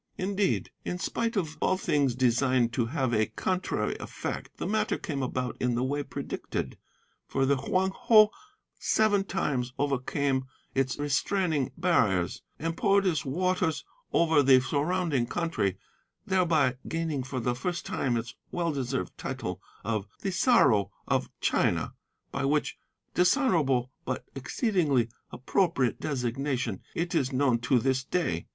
Indeed, in spite of all things designed to have a contrary effect, the matter came about in the way predicted, for the Hoang Ho seven times overcame its restraining barriers, and poured its waters over the surrounding country, thereby gaining for the first time its well deserved title of 'The Sorrow of China,' by which dishonourable but exceedingly appropriate designation it is known to this day.